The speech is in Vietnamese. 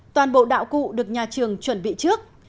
toàn bộ đạo cụ được nhà trường chuẩn bị trước